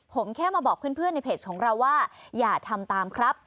ผมแค่มาบอกเพื่อนในเพจของเราว่าอย่าทำตามครับ